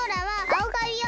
はい！